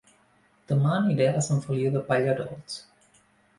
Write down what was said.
Dema aniré a Sant Feliu de Pallerols